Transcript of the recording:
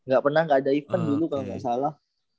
gak pernah gak ada event dulu kalau nggak salah